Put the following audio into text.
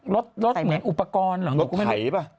รถรถเหมือนอุปกรณ์เหรอหนูก็ไม่หนีป่ะ